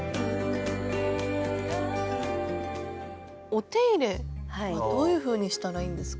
お手入れはどういうふうにしたらいいんですか？